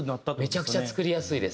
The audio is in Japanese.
めちゃくちゃ作りやすいです。